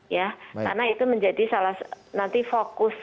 ya karena itu menjadi salah satu nanti fokus